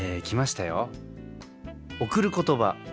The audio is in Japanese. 「贈る言葉」。